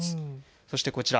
そして、こちら。